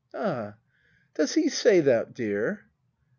] Ah ! Does he say that, dear